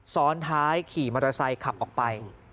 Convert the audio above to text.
ซ้อนท้ายขี่มอเตอร์ไซค์ขับออกไป